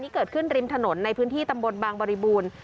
เกิดขึ้นริมถนนในพื้นที่ตำบลบางบริบูรณ์